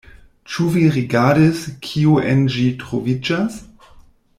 Ĉu vi rigardis, kio en ĝi troviĝas?